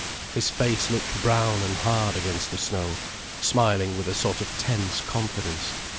His face looked brown and hard against the snow, smiling with a sort of tense confidence.